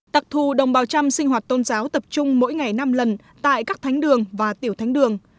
đặc thù đồng bào trăm sinh hoạt tôn giáo tập trung mỗi ngày năm lần tại các thánh đường và tiểu thánh đường